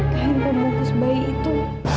kain pembungkus bayi itu